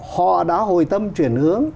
họ đã hồi tâm chuyển hướng